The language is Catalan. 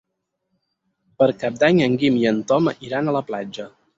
Per Cap d'Any en Guim i en Tom iran a la platja.